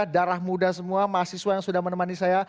darah muda semua mahasiswa yang sudah menemani saya